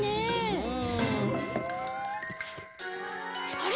あれ？